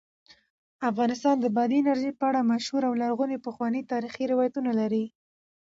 افغانستان د بادي انرژي په اړه مشهور او لرغوني پخواني تاریخی روایتونه لري.